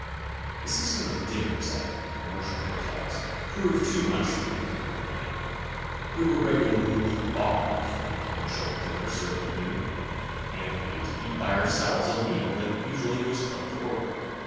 The system of dinners at "commercial" hotels proved too much for me to comprehend. We were regularly debarred from the "commercial" dinner served at noon, and made to eat by ourselves a meal that usually was cooked to order.